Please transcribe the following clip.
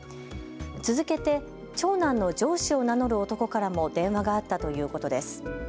続けて長男の上司を名乗る男からも電話があったということです。